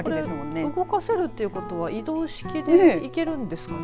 これ動かせるということは移動式で行けるんですかね。